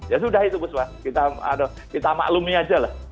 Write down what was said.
ya sudah itu bu swa kita maklumi saja lah